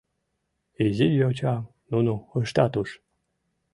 Изи йочам нуно ыштат уж.